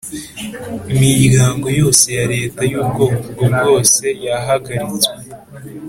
Umiryango yose ya Leta yubwoko ubwo bwose yahagaritswe